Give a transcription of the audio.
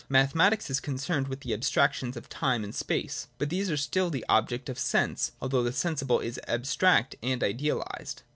Mathematics is concerned with the abstractions of time and space. But these are still the object of sense, although the sensible is abstract and idealised.